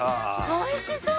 おいしそう！